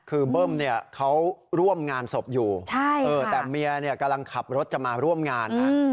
คือเบิ้มเนี่ยเขาร่วมงานศพอยู่แต่เมียกำลังขับรถจะมาร่วมงานนะ